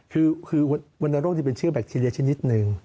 คือวรรณโรคจะเป็นเชื้อแบคทีเรียชนิดหนึ่ง